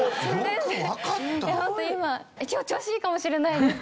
今日調子いいかもしれないです。